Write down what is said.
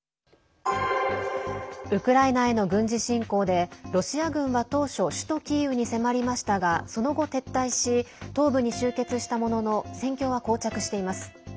ウクライナへの軍事侵攻でロシア軍は当初首都キーウに迫りましたがその後、撤退し東部に集結したものの戦況はこう着しています。